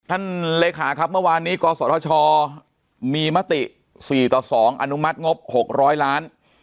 เลขาครับเมื่อวานนี้กศธชมีมติ๔ต่อ๒อนุมัติงบ๖๐๐ล้าน